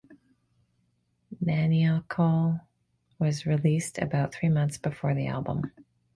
"Maniacal" was released about three months before the album.